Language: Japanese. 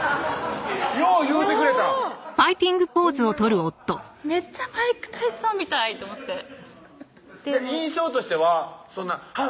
よう言うてくれたほんまやめっちゃマイク・タイソンみたいと思って印象としてはあっ